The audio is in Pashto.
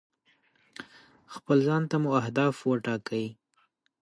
خپل ځان ته مو اهداف ټاکئ.